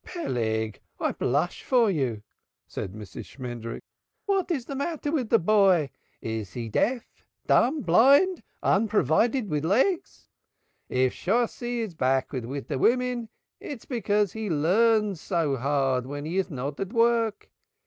"Peleg, I blush for you," said Mrs. Shmendrik. "What is the matter with the boy? Is he deaf, dumb, blind, unprovided with legs? If Shosshi is backward with the women, it is because he 'learns' so hard when he's not at work.